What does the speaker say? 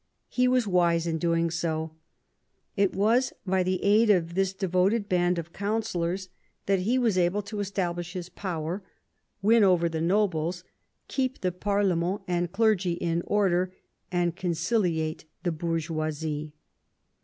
He was wise in doing so. It was by the aid of this devoted band of counsellors that he was able VI THE CLOSE OF THE FRONDE 107 to establish his power, win over the nobles, keep the parlement and clergy in order and conciliate the homgeoisie.